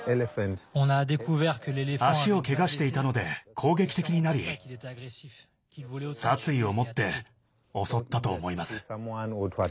足をけがしていたので攻撃的になり殺意を持って襲ったと思います。